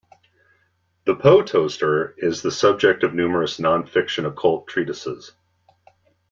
The Poe Toaster is the subject of numerous non-fiction occult treatises.